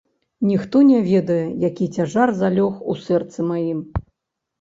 Ніхто не ведае, які цяжар залёг у сэрцы маім.